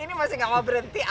ini masih gak mau berhenti